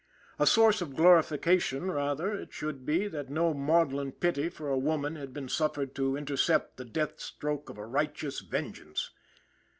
A source of glorification, rather, it should be, that no maudlin pity for a woman had been suffered to intercept the death stroke of a righteous vengeance.